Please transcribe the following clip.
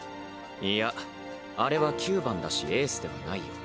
いやあれは９番だしエースではないよ。